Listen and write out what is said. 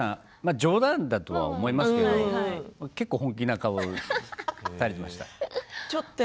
冗談だと思いますが結構本気な顔だったりしました。